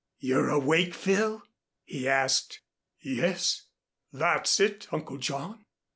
"You're awake, Phil?" he asked. "Yes, that's it, Uncle John.